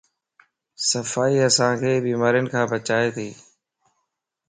صفائي اسانک بيمارين کان بچائيتي